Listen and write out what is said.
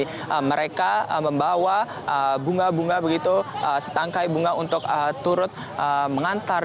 jadi mereka membawa bunga bunga begitu setangkai bunga untuk turut mengantar